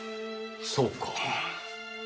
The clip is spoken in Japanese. そうか。